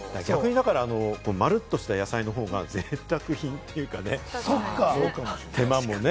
まるっとしたお野菜のほうがぜいたく品というかね、手間もね。